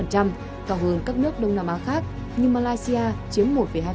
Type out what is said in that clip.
cao hơn các nước đông nam á khác như malaysia chiếm một hai